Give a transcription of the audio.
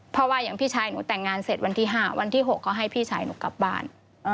เพราะว่าอย่างพี่ชายหนูแต่งงานเสร็จวันที่๕วันที่๖ก็ให้พี่ชายหนูกลับบ้าน